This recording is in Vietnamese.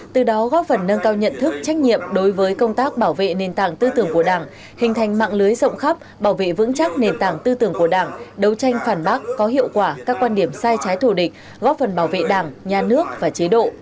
từ đó góp phần nâng cao nhận thức trách nhiệm đối với công tác bảo vệ nền tảng tư tưởng của đảng hình thành mạng lưới rộng khắp bảo vệ vững chắc nền tảng tư tưởng của đảng đấu tranh phản bác có hiệu quả các quan điểm sai trái thủ địch góp phần bảo vệ đảng nhà nước và chế độ